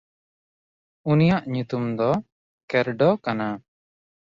ᱩᱱᱤᱭᱟᱜ ᱧᱩᱛᱩᱢ ᱫᱚ ᱠᱮᱨᱰᱚ ᱠᱟᱱᱟ᱾